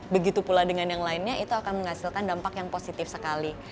begitu pula dengan yang lainnya itu akan menghasilkan dampak yang positif sekali